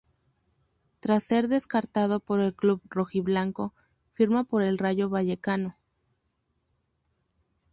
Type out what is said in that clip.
Tras ser descartado por el club rojiblanco, firma por el Rayo Vallecano.